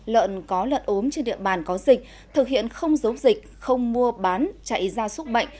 lợn có lợn ốm trên địa bàn có dịch thực hiện không giấu dịch không mua bán chạy ra xúc bệnh